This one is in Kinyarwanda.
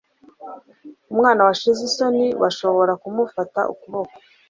umwana washize isoni bashobora kumufata ukuboko